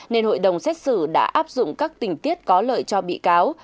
nên hội đồng xét xử đã áp dụng các tình tiết có lợi cho bị cáo